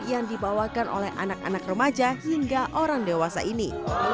yang dibawakan oleh anak anak remaja hingga orang dewasa ini